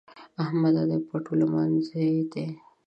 احمده! دا پټو لمانځي دی؟